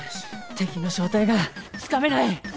敵の正体がつかめない。